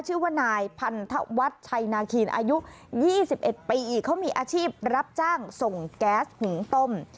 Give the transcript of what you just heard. ชื่อว่านายพันธวัฒน์ชัยนาคีนอายุ๒๑ปีอีกเขามีอาชีพรับจ้างส่งแก๊สหุงต้ม